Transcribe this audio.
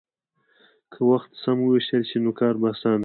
که وخت سم ووېشل شي، نو کار به اسانه شي.